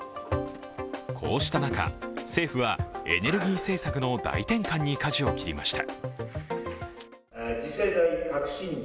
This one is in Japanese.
こうした中、政府はエネルギー政策の大転換にかじを切りました。